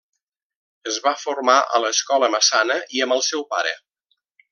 Es va formar a l'escola Massana i amb el seu pare.